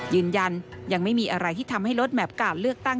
ยืนยันยังไม่มีอะไรที่ทำให้ลดแมพการเลือกตั้ง